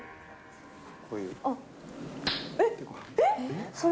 えっ、えっ？